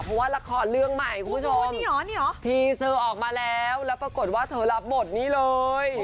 เพราะว่าละครเรื่องใหม่คุณผู้ชมทีเซอร์ออกมาแล้วแล้วปรากฏว่าเธอรับบทนี้เลย